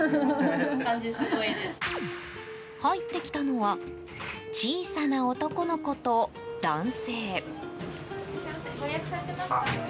入ってきたのは小さな男の子と男性。